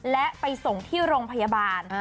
และไปส่งที่โรงพยาบาล